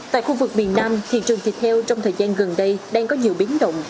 tại khu vực miền nam thị trường thịt heo trong thời gian gần đây đang có nhiều biến động